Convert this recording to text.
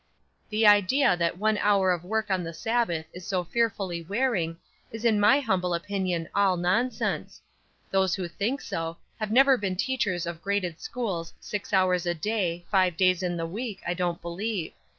"The idea that one hour of work on the Sabbath is so fearfully wearing, is in my humble opinion all nonsense; those who think so, have never been teachers of graded schools six hours a day, five days in the week, I don't believe.